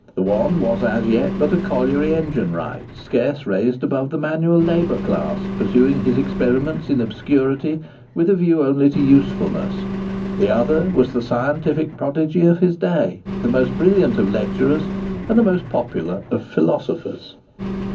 The one was as yet but a colliery engine wright, scarce raised above the manual labour class, pursuing his experiments in obscurity, with a view only to usefulness; the other was the scientific prodigy of his day, the most brilliant of lecturers, and the most popular of philosophers.